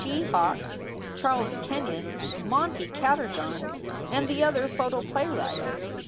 G. Hawks, Charles Kenyon, Monte Katterjohn, and the other photoplay wrights.